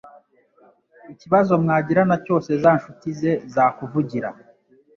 ikibazo mwagirana cyose za nshuti ze zakuvugira